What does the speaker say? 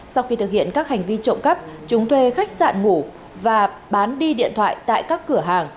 sau khi thực hiện các hành vi trộm cắp chúng thuê khách sạn ngủ và bán đi điện thoại tại các cửa hàng